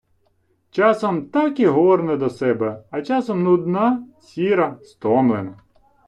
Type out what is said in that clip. Часом так і горне до себе, а часом нудна, сіра, стомлена.